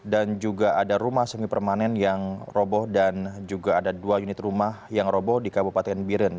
dan juga ada rumah semi permanen yang roboh dan juga ada dua unit rumah yang roboh di kabupaten biren